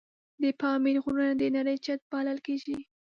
د پامیر غرونه د نړۍ چت بلل کېږي.